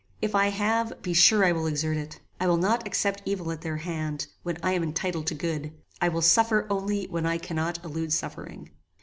If I have, be sure I will exert it. I will not accept evil at their hand, when I am entitled to good; I will suffer only when I cannot elude suffering.